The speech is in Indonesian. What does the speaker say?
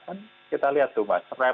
kan kita lihat tuh mas